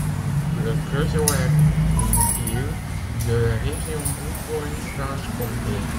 Le Creusot est une ville de la région Bourgogne-Franche-Comté.